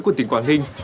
của tỉnh quảng ninh